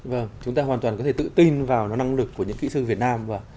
vâng chúng ta hoàn toàn có thể tự tin vào nó năng lực của những kỹ sư việt nam